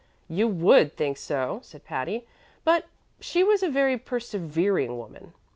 "You would think so," said Patty; "but she was a very persevering woman.